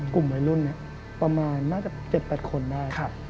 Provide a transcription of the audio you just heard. กลุ่มวัยรุ่นนั้นเนี่ยน่าจะวัน๗๑๐๐คนได้